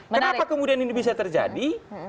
kenapa kemudian ini bisa terjadi